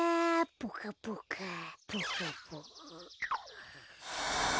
ポカポカポカポカ。